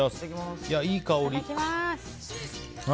いい香り！